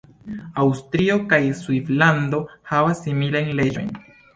Aŭstrio kaj Svislando havas similajn leĝojn.